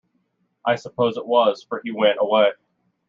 I suppose it was, for he went away.